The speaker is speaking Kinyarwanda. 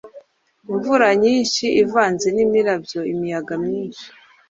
imvura nyinshi ivanze n’imirabyo, imiyaga myinshi